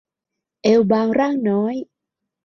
เอวบางร่างน้อย